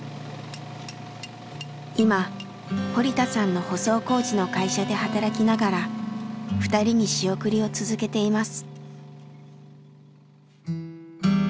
今堀田さんの舗装工事の会社で働きながら２人に仕送りを続けています。